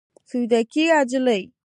له ځینو تصانیفو څخه یې انتخاب شوی.